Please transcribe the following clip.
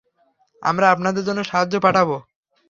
আমরা আপনাদের জন্য সাহায্য পাঠাবো।